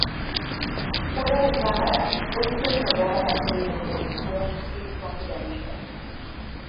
Fuera de cámara, Winfield narraba la serie de televisión "City Confidencial".